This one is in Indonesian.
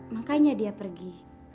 makanya dia pergi